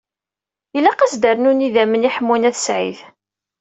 Ilaq ad s-rnun idammen i Ḥemmu n At Sɛid.